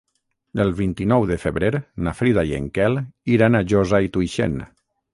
El vint-i-nou de febrer na Frida i en Quel iran a Josa i Tuixén.